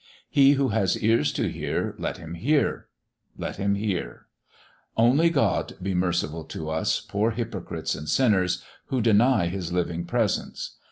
He who has ears to hear let him hear, let him hear; only God be merciful to us poor hypocrites and sinners, who deny His living presence.